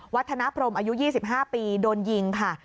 ธนพรมอายุ๒๕ปีโดนยิงค่ะ